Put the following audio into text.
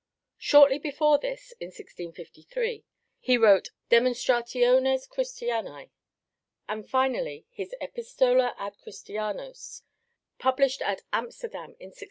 Shortly before this, in 1653, he wrote Demonstrationes Christianae, and finally his Epistola ad Christianos, published at Amsterdam in 1672.